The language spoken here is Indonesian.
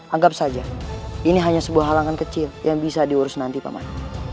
anggap saja ini hanya sebuah halangan kecil yang bisa diurus nanti pak mari